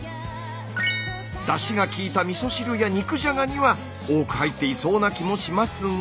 だしがきいたみそ汁や肉じゃがには多く入っていそうな気もしますが。